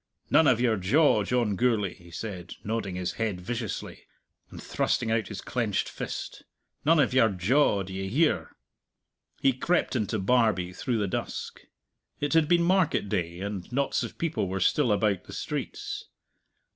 "None of your jaw, John Gourlay!" he said, nodding his head viciously, and thrusting out his clenched fist "none of your jaw; d'ye hear?" He crept into Barbie through the dusk. It had been market day, and knots of people were still about the streets.